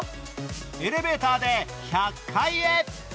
エレベーターで１００階へ。